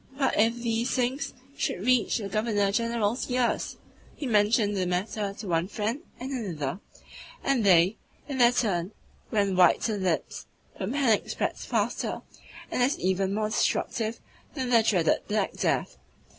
What if these things should reach the Governor General's ears? He mentioned the matter to one friend and another, and they, in their turn, went white to the lips, for panic spreads faster and is even more destructive, than the dreaded black death.